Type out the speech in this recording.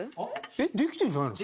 えっできてるんじゃないの？